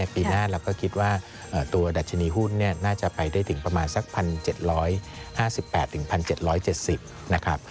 ปีหน้าเราก็คิดว่าตัวดัชนีหุ้นน่าจะไปได้ถึงประมาณสัก๑๗๕๘๑๗๗๐นะครับ